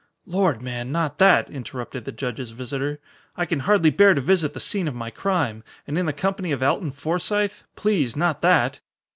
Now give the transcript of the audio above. "Lord, man, not that!" interrupted the judge's visitor. "I can hardly bear to visit the scene of my crime and in the company of Alton Forsythe. Please, not that!"